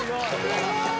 すごい！